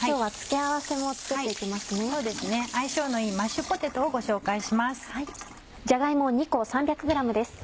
相性のいいマッシュポテトをご紹介します。